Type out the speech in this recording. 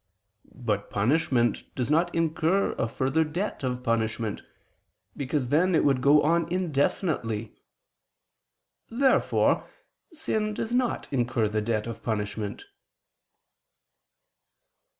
But punishment does not incur a further debt of punishment, because then it would go on indefinitely. Therefore sin does not incur the debt of punishment.